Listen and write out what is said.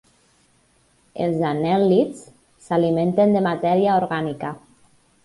Els anèl·lids s'alimenten de matèria orgànica.